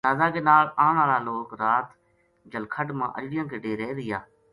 جنازہ کے نال آن ہالا لوک رات جلکھڈ ما اجڑیاں کے ڈیرے رہیا